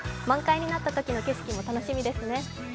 満開になったときの景色も楽しみですね。